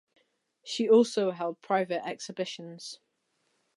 She also held private exhibitions.